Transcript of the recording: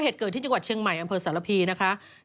ซึ่งตอน๕โมง๔๕นะฮะทางหน่วยซิวได้มีการยุติการค้นหาที่